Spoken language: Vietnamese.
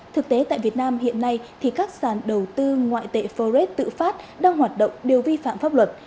thực tế tại việt nam hiện nay thì các sàn đầu tư ngoại tệ forex tự phát đang hoạt động đều vi phạm pháp luật